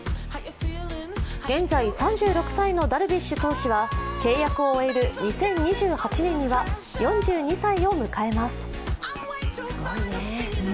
現在３６歳のダルビッシュ投手は契約を終える２０２８年には４２歳を迎えます。